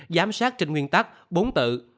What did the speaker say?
giám sát trên nguyên tắc bốn tự